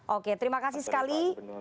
oke terima kasih sekali